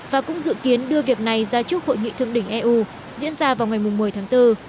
và cũng dự kiến đưa việc này ra trước hội nghị thượng đỉnh eu diễn ra vào ngày một mươi tháng bốn